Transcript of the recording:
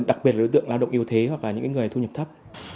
đặc biệt là đối tượng lao động yếu thế hoặc là những người thu nhập thấp